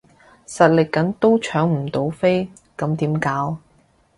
實力緊都搶唔到飛咁點搞？